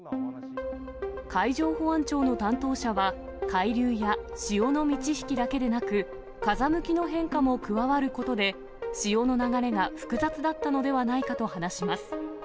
海上保安庁の担当者は、海流や潮の満ち引きだけでなく、風向きの変化も加わることで、潮の流れが複雑だったのではないかと話します。